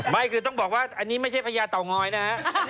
ไม่คือต้องบอกว่าอันนี้ไม่ใช่พญาเตางอยนะฮะ